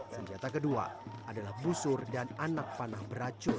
senjata kedua adalah busur dan anak panah beracun